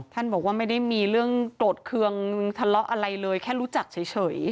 บอกว่าไม่ได้มีเรื่องโกรธเคืองทะเลาะอะไรเลยแค่รู้จักเฉย